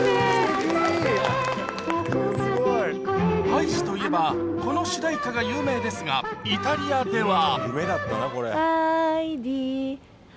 ハイジといえば、この主題歌が有名ですが、イタリアでは。